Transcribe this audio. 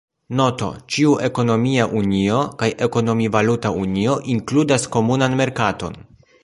Noto: ĉiu ekonomia unio kaj ekonomi-valuta unio inkludas komunan merkaton.